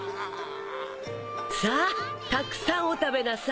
さあたくさんお食べなさい。